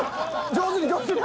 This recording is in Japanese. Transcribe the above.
上手に上手に。